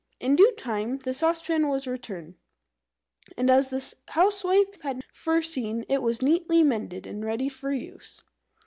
In due time the saucepan was returned, and, as the Housewife had foreseen, it was neatly mended and ready for use.